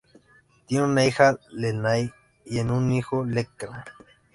Tienen una hija, Delaney, y un hijo, Declan.